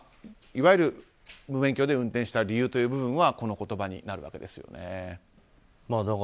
いわゆる無免許で運転した理由はこの言葉になるわけですよね。